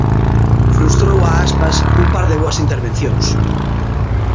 Frustrou a Aspas cun par de boas intervencións.